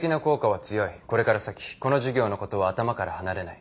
これから先この授業のことは頭から離れない。